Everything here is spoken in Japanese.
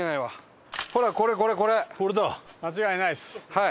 はい。